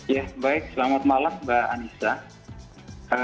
ya baik selamat malam mbak anissa